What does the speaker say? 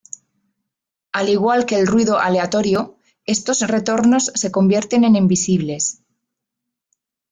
Al igual que el ruido aleatorio, estos retornos se convierten en invisibles.